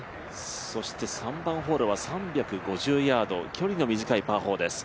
そして３番ホールは３５０ヤード、距離の短いパー４です。